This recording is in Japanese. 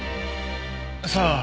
さあ？